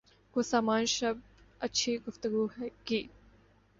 کچھ سامان شب اچھی گفتگو کی